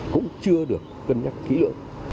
cũng chưa được cân nhắc kỹ lượng